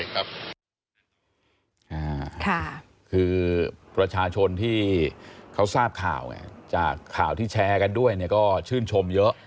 คือประชาชนที่เขาทราบข่าวไงจากข่าวที่แชร์กันด้วยเนี่ยก็ชื่นชมเยอะ